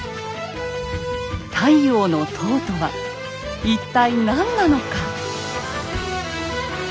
太陽の塔とは一体何なのか。